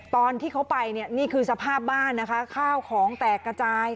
ตอนที่เขาไปเนี่ยนี่คือสภาพบ้านนะคะข้าวของแตกกระจาย